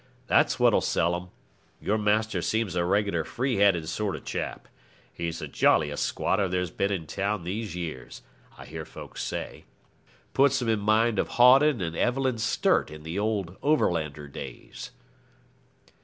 That's what'll sell 'em. Your master seems a regular free handed sort of chap. He's the jolliest squatter there's been in town these years, I hear folk say. Puts 'em in mind of Hawdon and Evelyn Sturt in the old overlander days.'